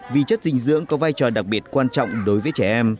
vì chất dinh dưỡng có vai trò đặc biệt quan trọng đối với trẻ em